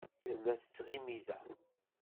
Tella tettɣimi da.